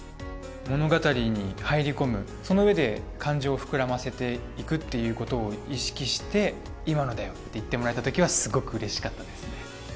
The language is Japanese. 物語に入り込むその上で感情を膨らませていくっていう事を意識して今のだよ！って言ってもらえた時はすごく嬉しかったですね。